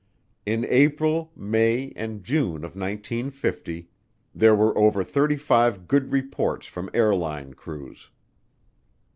In April, May, and June of 1950 there were over thirty five good reports from airline crews.